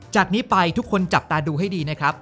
จากนี้ไปทุกคนจับตาดูให้ดี